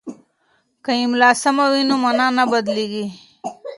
که املا سمه وي نو مانا نه بدلیږي.